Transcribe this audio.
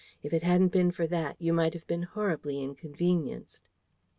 If it hadn't been for that, you might have been horribly inconvenienced.